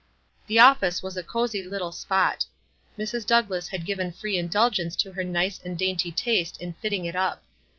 The office was a cozy litt/'j rpot. Mrs. Douglass had given free indulgence' i,n her nice and dainty taste in fitting it up.